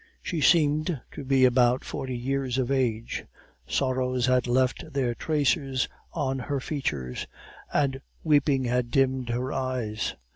She seemed to be about forty years of age; sorrows had left their traces on her features, and weeping had dimmed her eyes.